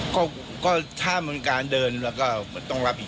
เพราะฉะนั้นมันมีกระแสเฉินชวนในเศษฐูของกลุ่มกองของเวอร์สาว้าค่ะ